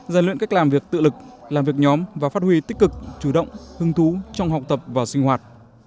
gian luyện cách làm việc tự lực làm việc nhóm và phát huy tích cực chủ động hứng thú trong học tập và sinh hoạt